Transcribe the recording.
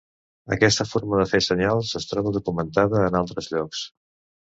Aquesta forma de fer senyals es troba documentada en altres llocs.